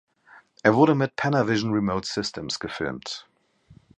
Er wurde mit Panavision Remote Systems gefilmt.